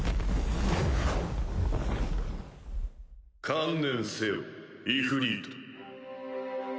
観念せよイフリート。